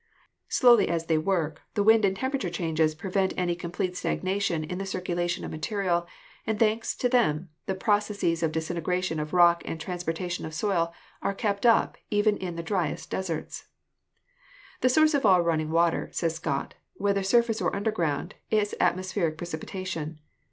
Slowly as they work, the wind and temperature changes prevent DESTRUCTIVE AGENCIES 135 any complete stagnation in the circulation of material, and thanks to them, the processes of disintegration of rock and transportation of soil are kept up even in the dryest deserts. "The source of all running water," says Scott, "whether surface or underground, is atmospheric precipitation.